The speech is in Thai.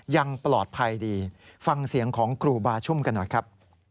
ยังปลอดภัยดีฟังเสียงของครูบาชุ่มกันหน่อยครับ